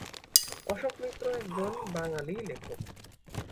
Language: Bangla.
অশোক মিত্র একজন বাঙালি লেখক।